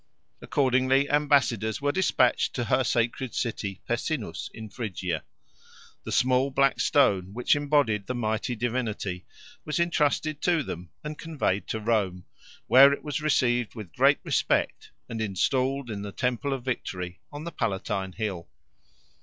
Accordingly ambassadors were despatched to her sacred city Pessinus in Phrygia. The small black stone which embodied the mighty divinity was entrusted to them and conveyed to Rome, where it was received with great respect and installed in the temple of Victory on the Palatine Hill.